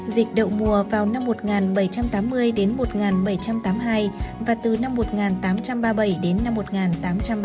dịch đậu mùa vào năm một nghìn bảy trăm tám mươi một nghìn bảy trăm tám mươi hai và từ năm một nghìn tám trăm ba mươi bảy một nghìn tám trăm ba mươi tám